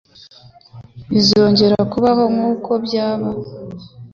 Bizongera kubaho nkuko byaba.